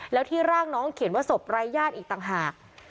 แล้วที่ร่างน้องเขียนว่าศพไร้ญาติอีกต่างหาก